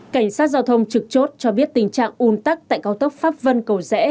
cảnh sát giao thông trực chốt cho biết tình trạng ủn tắc tại cao tốc pháp vân cầu dễ